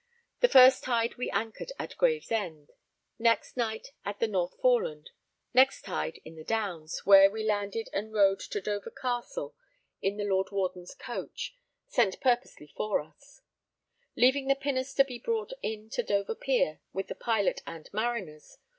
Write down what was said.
The first tide we anchored [at] Gravesend; next night at the North Foreland; next tide in the Downs, where we landed and rode to Dover Castle in the Lord Warden's coach, sent purposely for us, leaving the pinnace to be brought in to Dover Pier with the pilot and mariners.